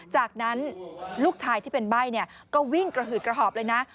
จากนั้นลูกชายที่เป็นใบ้ก็วิ่งกระหืดกระหอบเลยนะ